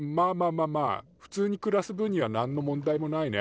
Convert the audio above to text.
まあまあふつうに暮らす分にはなんの問題もないね。